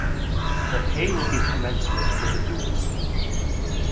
The pay will be commensurate with the duties.